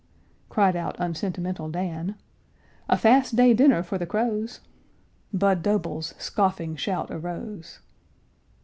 Cried out unsentimental Dan; "A Fast Day dinner for the crows!" Budd Doble's scoffing shout arose.